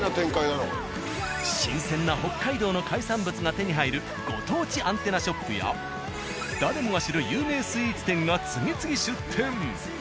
新鮮な北海道の海産物が手に入るご当地アンテナショップや誰もが知る有名スイーツ店が次々出店。